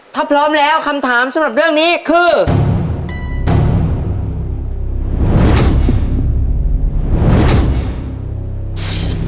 ถ้าพร้อมแล้วคำถามสำหรับเรื่องนี้คือ